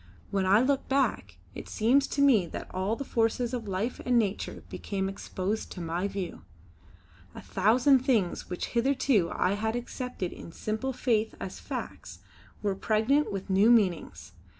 When I look back, it seems to me that all the forces of life and nature became exposed to my view. A thousand things which hitherto I had accepted in simple faith as facts, were pregnant with new meanings.